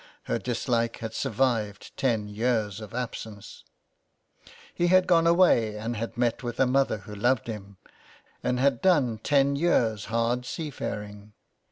Her dislike had survived ten years of absence. He had gone away and had met with a mother who loved him, and had done ten years' hard 296 so ON HE FARES. seafaring.